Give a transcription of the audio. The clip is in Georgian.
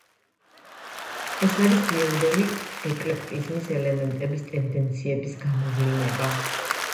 ეს არის გვიანდელი ეკლექტიზმის ელემენტების ტენდენციებს გამოვლინება.